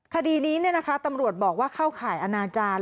คดีนี้ตำรวจบอกว่าเข้าข่ายอนาจารย์